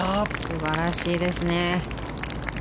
素晴らしいですね。